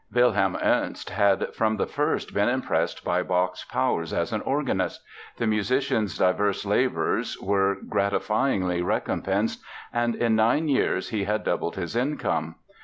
Wilhelm Ernst had from the first been impressed by Bach's powers as an organist. The musician's diverse labors were gratifyingly recompensed and in nine years he had doubled his income.